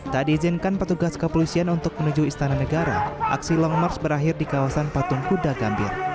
tak diizinkan petugas kepolisian untuk menuju istana negara aksi long march berakhir di kawasan patung kuda gambir